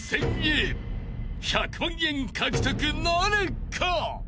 ［１００万円獲得なるか？］